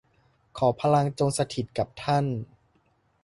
ขอพลังจงสถิตย์กับท่าน